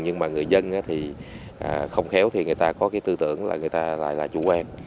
nhưng mà người dân thì không khéo thì người ta có cái tư tưởng là người ta lại là chủ quan